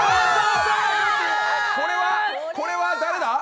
これは誰だ？